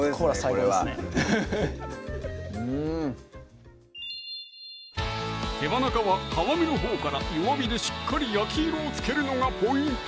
これは手羽中は皮目のほうから弱火でしっかり焼き色をつけるのがポイント